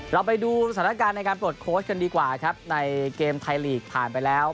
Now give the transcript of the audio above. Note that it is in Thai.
เราไปดูสถานการณ์ในการปลดโค้ชกันดีกว่าครับในเกมไทยลีกผ่านไปแล้ว